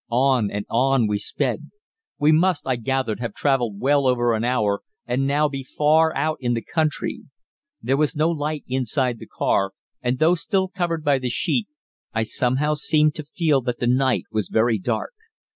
On and on we sped. We must, I gathered, have travelled well over an hour, and now be far out in the country. There was no light inside the car, and though still covered by the sheet, I somehow seemed to feel that the night was very dark.